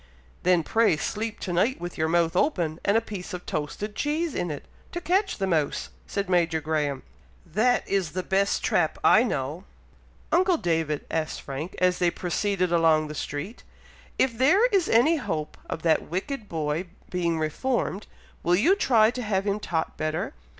"Then pray sleep to night with your mouth open, and a piece of toasted cheese in it, to catch the mouse," said Major Graham. "That is the best trap I know!" "Uncle David," asked Frank, as they proceeded along the street, "if there is any hope of that wicked boy being reformed, will you try to have him taught better?